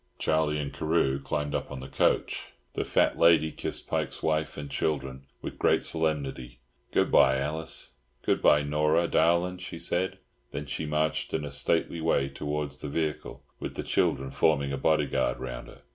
Charlie and Carew climbed upon the coach. The fat lady kissed Pike's wife and children with great solemnity. "Good bye, Alice! Good bye, Nora darlin'," she said. Then she marched in a stately way towards the vehicle, with the children forming a bodyguard round her.